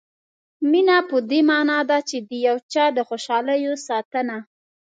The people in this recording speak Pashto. مینه په دې معنا ده چې د یو چا د خوشالیو ساتنه.